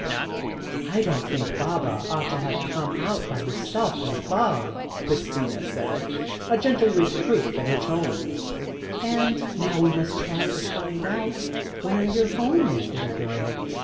"I don't think Baba ought to have come out by herself in a fog," Christina said, a gentle reproof in her tones; "and now we must try to find out where your home is, little girl.